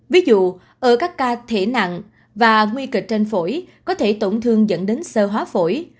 ví dụ ở các ca thể nặng và nguy kịch trên phổi có thể tổn thương dẫn đến sơ hóa phổi